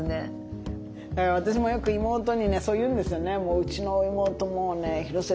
だから私もよく妹にそう言うんですよね。